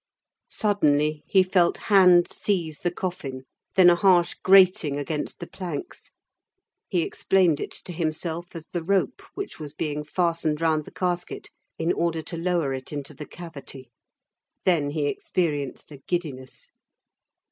Suddenly, he felt hands seize the coffin, then a harsh grating against the planks; he explained it to himself as the rope which was being fastened round the casket in order to lower it into the cavity. Then he experienced a giddiness.